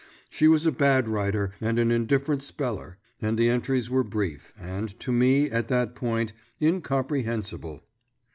She was a bad writer and an indifferent speller, and the entries were brief, and, to me, at that point, incomprehensible.